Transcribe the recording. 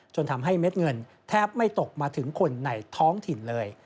จนทำให้เม็ดเงินแทบไม่ตกมาถึงคนในท้องถิ่นเลย